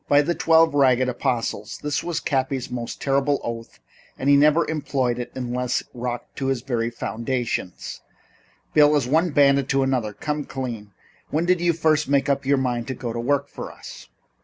"By the Twelve Ragged Apostles!" This was Cappy's most terrible oath and he never employed it unless rocked to his very foundations. "Bill, as one bandit to another come clean. When did you first make up your mind to go to work for us?"